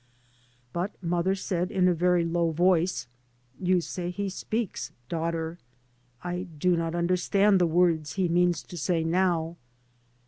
But mother said in a very low voice, " You say he speaks, daughter. I do not understand the words he means to say now.